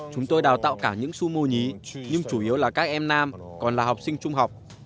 chúng tôi đào tạo cả những su mô nhí nhưng chủ yếu là các em nam còn là học sinh trung học